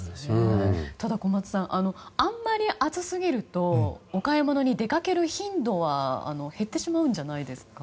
ただ、小松さんあまり暑すぎるとお買い物に出かける頻度は減ってしまうんじゃないですか。